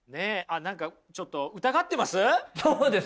何かちょっと疑ってます？